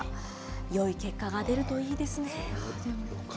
よい結果が出るといいですね。